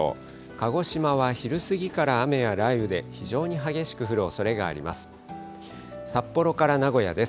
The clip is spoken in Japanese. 鹿児島は昼過ぎから雨や雷雨で、非常に激しく降るおそれがあります。